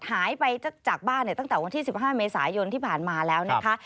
หายไปจากบ้านตั้งแต่วันที่๑๕เมษายนที่ผ่านมาแล้วนะคะ